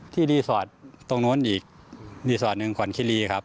รีสอร์ทตรงโน้นอีกรีสอร์ทหนึ่งขวัญคิรีครับ